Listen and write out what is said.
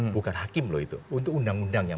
bukan hakim loh itu untuk undang undang yang